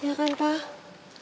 ya kan pak